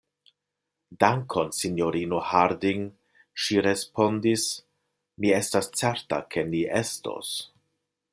Dankon, sinjorino Harding, ŝi respondis, mi estas certa, ke ni estos.